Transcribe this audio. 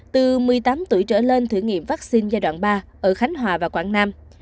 từ một mươi tám tuổi trở lên thử nghiệm vaccine giai đoạn ba ở khánh hòa và quảng nam